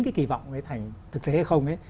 kỳ vọng thành thực tế hay không